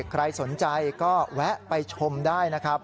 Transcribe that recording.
ใครสนใจก็แวะไปชมได้นะครับ